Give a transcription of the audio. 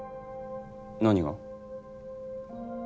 何が？